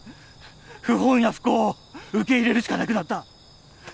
不本意な不幸を受け入れるしかなくなった